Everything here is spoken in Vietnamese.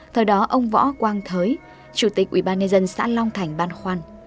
thời đó ông võ quang thới chủ tịch ubnd xã long thành ban khoan